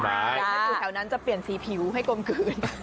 หน้าที่แถวนั้นจะเปลี่ยนสีผิวให้กลมกลืน